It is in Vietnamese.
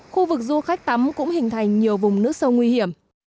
khu vực du khách tắm cũng hình thành nhiều vùng nước sâu nguy hiểm